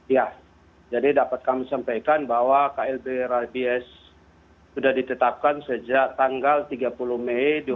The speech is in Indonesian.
ya jadi dapat kami sampaikan bahwa klb rabies sudah ditetapkan sejak tanggal tiga puluh mei